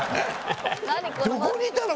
どこにいたの？